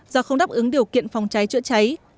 do không đáp ứng điều kiện phòng cháy chữa cháy